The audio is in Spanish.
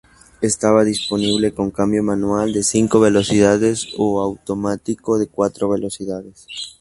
Estaba disponible con cambio manual de cinco velocidades o automático de cuatro velocidades.